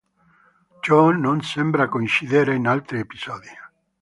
Ciò non sembra coincidere in altri episodi.